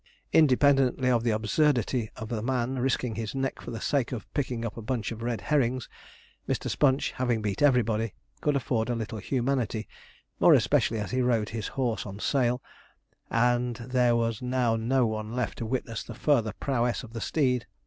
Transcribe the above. Independently of the absurdity of a man risking his neck for the sake of picking up a bunch of red herrings, Mr. Sponge, having beat everybody, could afford a little humanity, more especially as he rode his horse on sale, and there was now no one left to witness the further prowess of the steed.